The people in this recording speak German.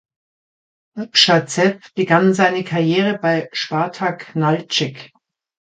Apschazew begann seine Karriere bei Spartak Naltschik.